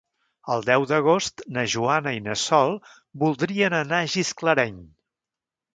El deu d'agost na Joana i na Sol voldrien anar a Gisclareny.